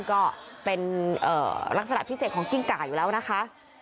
ก็เป็นลักษณะพิเศษของกิ้งก่าอยู่แล้วนะคะ